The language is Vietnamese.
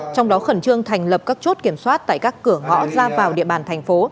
trong đó khẩn trương thành lập các chốt kiểm soát tại các cửa ngõ ra vào địa bàn thành phố